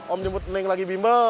om jemput naik lagi bimbel